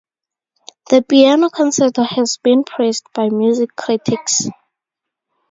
The piano concerto has been praised by music critics.